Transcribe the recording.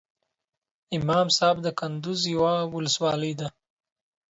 امام صاحب دکندوز یوه ولسوالۍ ده